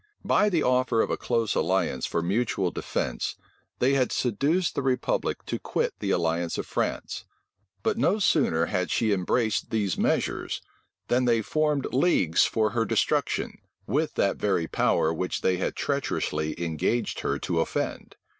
By ihe offer of a close alliance for mutual defence, they had seduced the republic to quit the alliance of France; but no sooner had she embraced these measures, than they formed leagues for her destruction, with that very power which they had treacherously engaged her to offend.